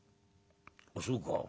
「あそうか。